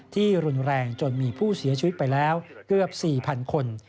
ที่รุนแรงจนมีผู้เสียชีวิตไปแล้วเกือบ๔๐๐คน